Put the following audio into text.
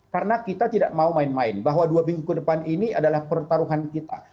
karena kita tidak mau main main bahwa dua minggu ke depan ini adalah pertaruhan kita